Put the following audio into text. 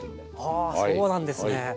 あそうなんですね。